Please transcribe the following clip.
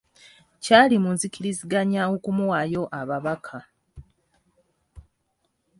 Kyali mu nzikiriziganya okumuwaayo ababaka.